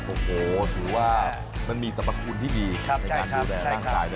โอ้โหถือว่ามันมีสมควรที่ดีในการดูแลร่างกายด้วยนะครับ